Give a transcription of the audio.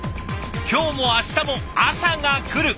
今日も明日も朝が来る！